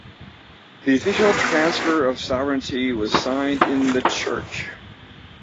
The official transfer of sovereignty was signed in the church.